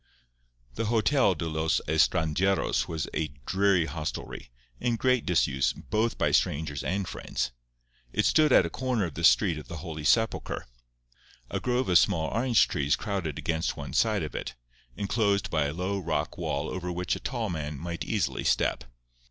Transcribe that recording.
The Hotel de los Estranjeros was a dreary hostelry, in great disuse both by strangers and friends. It stood at a corner of the Street of the Holy Sepulchre. A grove of small orange trees crowded against one side of it, enclosed by a low, rock wall over which a tall man might easily step.